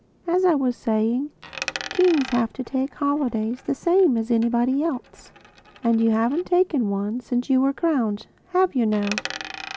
As I was saying, kings have to take holidays the same as anybody else. And you haven't taken one since you were crowned, have you now?"